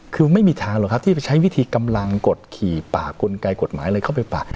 คือไม่มีทางหรอกครับที่ไปใช้วิธีกำลังกดขี่ปากกลไกกฎหมายอะไรเข้าไปปาก